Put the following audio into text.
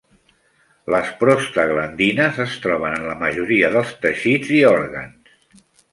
Les prostaglandines es troben en la majoria dels teixits i òrgans.